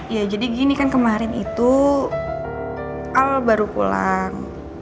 ya jadi gini kan kemarin itu al baru pulang